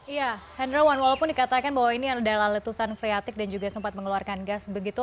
iya hendrawan walaupun dikatakan bahwa ini adalah letusan freatik dan juga sempat mengeluarkan gas begitu